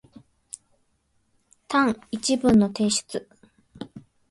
単一文の提出